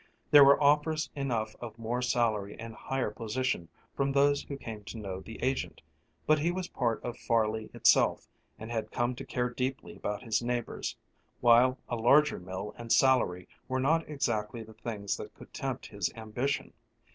There were offers enough of more salary and higher position from those who came to know the agent, but he was part of Farley itself, and had come to care deeply about his neighbors, while a larger mill and salary were not exactly the things that could tempt his ambition.